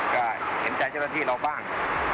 ก็เห็นใจเจ้าหน้าที่เราบ้าง